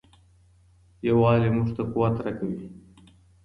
یووالی موږ ته قوت راکوي.